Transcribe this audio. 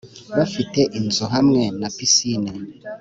bafite inzu hamwe na pisine